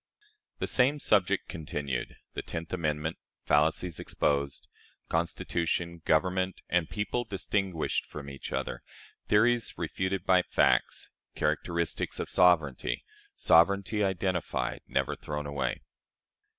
The same Subject continued. The Tenth Amendment. Fallacies exposed. "Constitution," "Government," and "People" distinguished from each other. Theories refuted by Facts. Characteristics of Sovereignty. Sovereignty identified. Never thrown away.